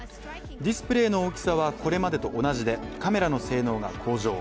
ディスプレーの大きさはこれまでと同じでカメラの性能が向上。